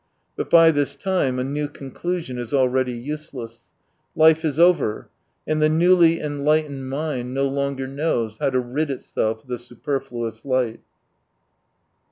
But by this time a new conclusion is already useless. Life is over, and the newly enlightened mind no longer knows how to rid itself of the Superfluous light.